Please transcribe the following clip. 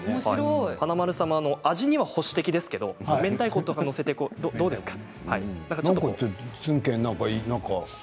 華丸さん、味には保守的ですがめんたいこを載せて、どうですか。